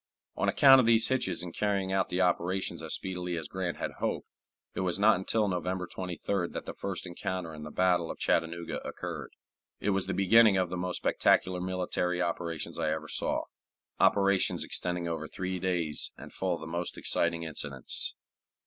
On account of these hitches in carrying out the operations as speedily as Grant had hoped, it was not until November 23d that the first encounter in the battle of Chattanooga occurred. It was the beginning of the most spectacular military operations I ever saw operations extending over three days and full of the most exciting incidents.